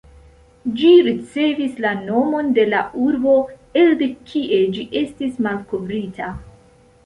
Ĝi ricevis la nomon de la urbo elde kie ĝi estis malkovrita.